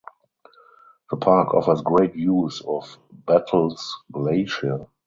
The park offers great views of Bettles Glacier.